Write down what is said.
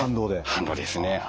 反動です。